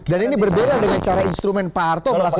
dan ini berbeda dengan cara instrumen pak harto melakukan